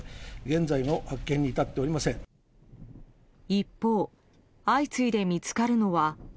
一方、相次いで見つかるのは。